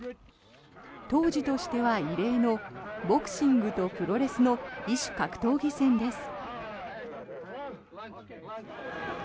当時としては異例のボクシングとプロレスの異種格闘技戦です。